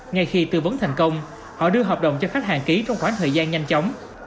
ngay khi tư vấn thành công họ đưa hợp đồng cho khách hàng ký trong khoảng thời gian nhanh chóng